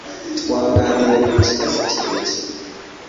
Twaganiriye ku kibazo kirekire.